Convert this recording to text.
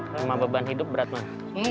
rumah beban hidup berat mas